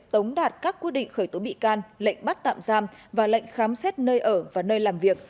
tống đạt các quyết định khởi tố bị can lệnh bắt tạm giam và lệnh khám xét nơi ở và nơi làm việc